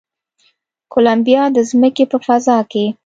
کولمبیا د ځمکې په فضا کې